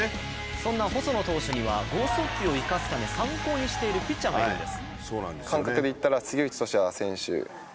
そんな細野投手には剛速球を生かすため参考にしているピッチャーがいるんです。